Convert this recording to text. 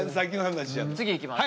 次いきます。